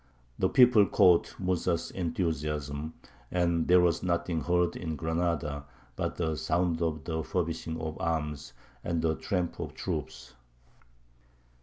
The people caught Mūsa's enthusiasm, and there was nothing heard in Granada but the sound of the furbishing of arms and the tramp of troops.